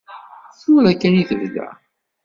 Tura kan i tebda.